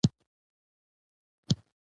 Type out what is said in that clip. تاسو باید په دې اطاق کې چپرکټ خوښ کړئ.